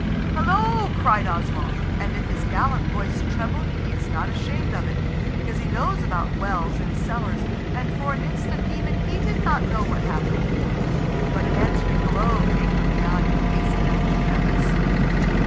"Hallo!" cried Oswald, and if his gallant voice trembled he is not ashamed of it, because he knows about wells in cellars, and, for an instant, even he did not know what happened. But an answering hullo came from beyond, and he hastened after the others.